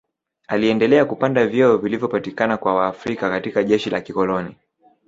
Aliendelea kupanda vyeo vilivyopatikana kwa Waafrika katika jeshi la kikoloni